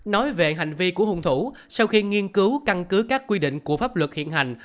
nói về hành vi của hung thủ sau khi nghiên cứu căn cứ các quy định của pháp luật hiện hành